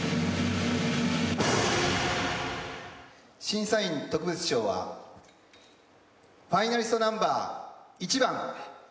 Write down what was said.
審査員特別賞はファイナリストナンバー１番。